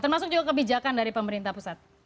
termasuk juga kebijakan dari pemerintah pusat